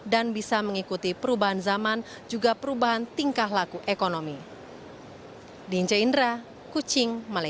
dan bisa mengikuti perubahan zaman juga perubahan tingkah laku ekonomi